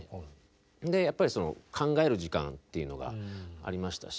やっぱりその考える時間っていうのがありましたし。